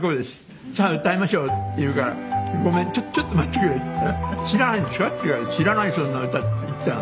「さあ歌いましょう」って言うから「ごめんちょっと待ってくれ」って言ったら「知らないんですか？」って言うから「知らないそんな歌」って言ったの。